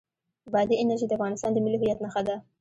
بادي انرژي د افغانستان د ملي هویت نښه ده.